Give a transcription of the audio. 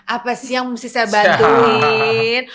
apa sih yang mesti saya bantuin